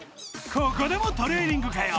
ここでもトレーニングかよ